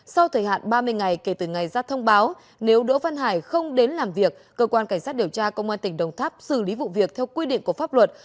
sau thời hạn ba mươi ngày kể từ ngày ra thông báo nếu đỗ văn hải không đến làm việc cơ quan cảnh sát điều tra công an tỉnh đồng tháp xử lý vụ việc theo quy định của pháp luật